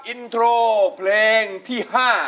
อินโทรเพลงที่๕